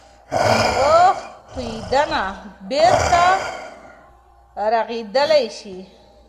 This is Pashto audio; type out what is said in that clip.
ځینې وخت تویېدنه بیرته رغېدلی شي.